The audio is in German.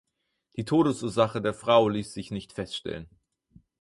Die Todesursache der Frau ließ sich nicht feststellen.